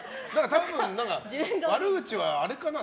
多分、悪口はあれかな。